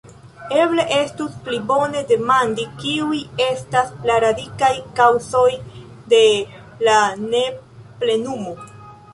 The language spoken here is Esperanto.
Eble estus pli bone demandi, kiuj estas la radikaj kaŭzoj de la neplenumo?